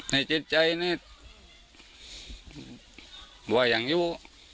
ในสิทธิใจเนี่ยไว้อย่างอยู่